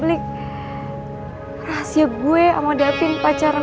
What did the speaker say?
ini agak perasaan